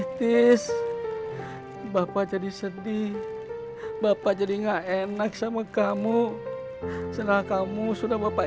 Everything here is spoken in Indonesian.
hai oh makasih tis bapak jadi sedih bapak jadi enggak enak sama kamu setelah kamu sudah bapak